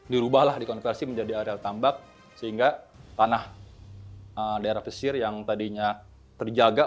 dirubahlah dikonversi menjadi areal tambak sehingga tanah daerah pesisir yang tadinya terjaga